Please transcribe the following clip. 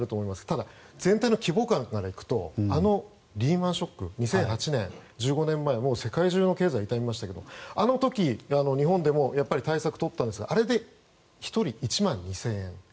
ただ、全体の規模感からいくとリーマン・ショック２００８年、１５年前世界中の経済が痛みましたけどあの時、日本でも対策をとったんですがあれで１人１万２０００円。